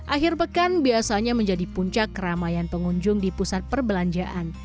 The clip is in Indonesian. akhir pekan biasanya menjadi puncak keramaian pengunjung di pusat perbelanjaan